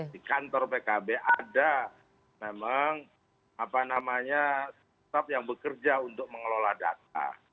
di kantor pkb ada memang apa namanya staff yang bekerja untuk mengelola data